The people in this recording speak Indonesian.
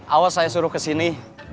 awas saya suruh kesini